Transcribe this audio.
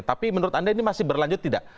tapi menurut anda ini masih berlanjut tidak